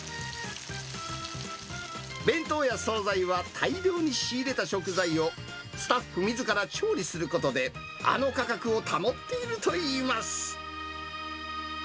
弁当や総菜は大量に仕入れた食材を、スタッフみずから調理することで、あの価格を保っているといいます。